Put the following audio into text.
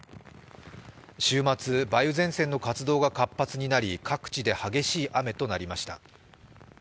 週末、梅雨前線の活動が活発になり各地で激しい雨となりました。